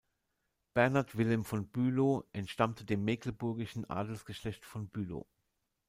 Bernhard Wilhelm von Bülow entstammte dem mecklenburgischen Adelsgeschlecht von Bülow.